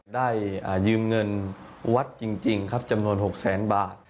ได้ยืมเงินวัดจริงครับจำนวน๖๐๐๐๐๐บาท